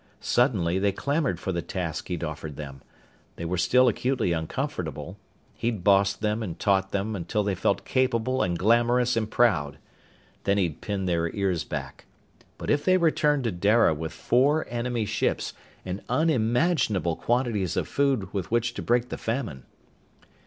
Suddenly they clamored for the task he offered them. They were still acutely uncomfortable. He'd bossed them and taught them until they felt capable and glamorous and proud. Then he'd pinned their ears back. But if they returned to Dara with four enemy ships and unimaginable quantities of food with which to break the famine....